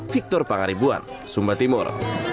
victor pangaribuan sumba timur